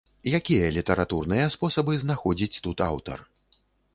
Якія літаратурныя спосабы знаходзіць тут аўтар?